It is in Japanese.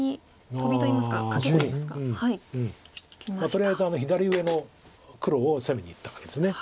とりあえず左上の黒を攻めにいったわけです。